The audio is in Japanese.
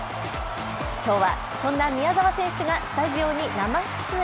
きょうはそんな宮澤選手がスタジオに生出演。